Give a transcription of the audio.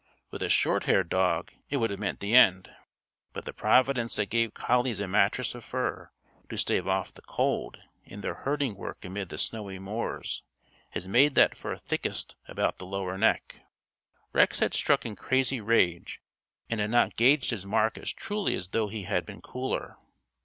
With a short haired dog it would have meant the end, but the providence that gave collies a mattress of fur to stave off the cold, in their herding work amid the snowy moors has made that fur thickest about the lower neck. Rex had struck in crazy rage and had not gauged his mark as truly as though he had been cooler.